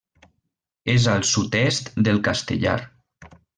És al sud-est del Castellar.